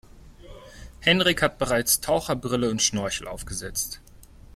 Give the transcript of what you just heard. Henrik hat bereits Taucherbrille und Schnorchel aufgesetzt.